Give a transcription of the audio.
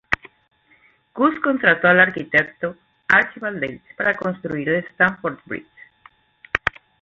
Gus contrató al arquitecto Archibald Leitch para construir el Stamford Bridge.